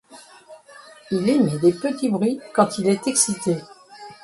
Il émet des petits bruits quand il est excité.